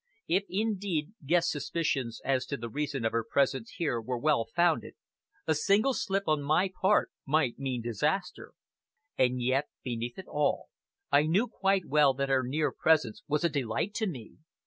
If indeed Guest's suspicions as to the reason of her presence here were well founded, a single slip on my part might mean disaster. And yet, beneath it all, I knew quite well that her near presence was a delight to me!